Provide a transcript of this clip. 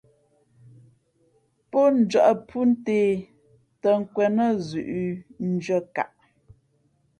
Pó njᾱʼ phʉ́ ntē tᾱ nkwēn nά zʉ̌ʼ ndʉ̄αkaʼ.